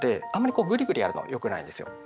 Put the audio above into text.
こうグリグリやるのはよくないんですよ。